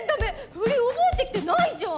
振り覚えてきてないじゃん！